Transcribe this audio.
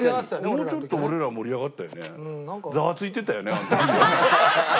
もうちょっと俺ら盛り上がったよね。